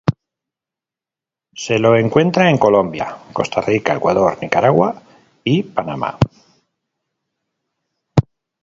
Se lo encuentra en Colombia, Costa Rica, Ecuador, Nicaragua, y Panamá.